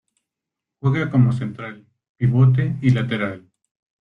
Juega como central, pivote, y lateral.